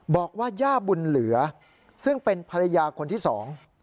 บอกว่าย่าบุญเหลือซึ่งเป็นภรรยาคนที่สอง